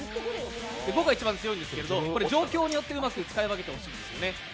５が一番強いんですけど状況によってうまく使い分けてほしいですね。